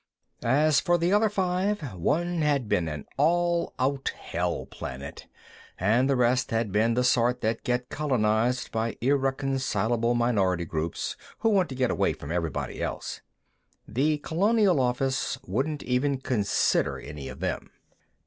As for the other five, one had been an all out hell planet, and the rest had been the sort that get colonized by irreconcilable minority groups who want to get away from everybody else. The Colonial Office wouldn't even consider any of them.